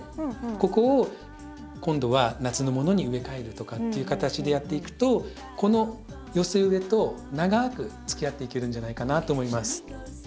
ここを今度は夏のものに植え替えるとかっていう形でやっていくとこの寄せ植えと長くつきあっていけるんじゃないかなと思います。